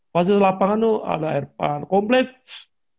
pasti lapangan tuh ada airpan kompleks